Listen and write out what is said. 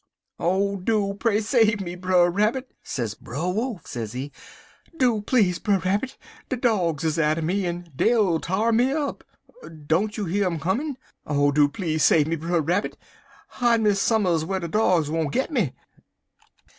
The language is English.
"'Oh, do pray save me, Brer Rabbit!' sez Brer Wolf, sezee. 'Do please, Brer Rabbit! de dogs is atter me, en dey 'll t'ar me up. Don't you year um comin'? Oh, do please save me, Brer Rabbit! Hide me some'rs whar de dogs won't git me.'